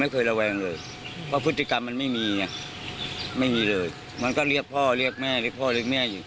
ก็เรียกพ่อเรียกแม่เรียกพ่อเรียกแม่อยู่